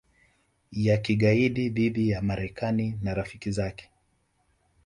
ya kigaidi dhidi ya Marekani na rafiki zake